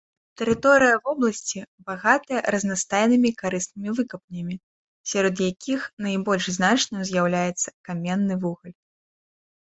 Тэрыторыя вобласці багатая разнастайнымі карыснымі выкапнямі, сярод якіх найбольш значным з'яўляецца каменны вугаль.